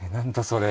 それ。